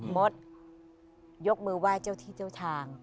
มดยกมือไหว้เจ้าที่เจ้าทาง